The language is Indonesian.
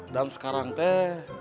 dan sekarang teh